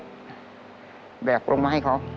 เดินขึ้นเดินลงนับเป็นที่รอยเที่ยว